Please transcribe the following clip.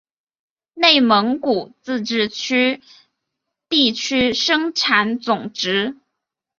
内蒙古自治区地区生产总值